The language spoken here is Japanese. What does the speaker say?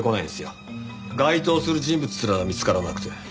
該当する人物すら見つからなくて。